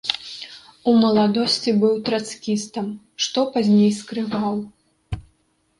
У маладосці быў трацкістам, што пазней скрываў.